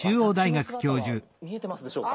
私の姿は見えてますでしょうか？